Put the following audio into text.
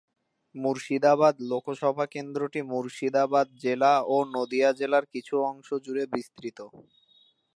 মুর্শিদাবাদ লোকসভা কেন্দ্রটি মুর্শিদাবাদ জেলা ও নদীয়া জেলার কিছু অংশ জুড়ে বিস্তৃত।